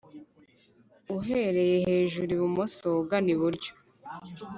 uhereye hejuru ibumoso ugana iburyo